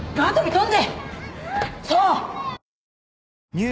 そう！